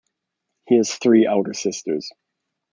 He has three elder sisters.